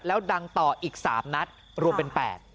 แล้วดังต่ออีก๓นัดรวมเป็น๘